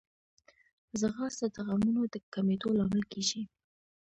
ځغاسته د غمونو د کمېدو لامل کېږي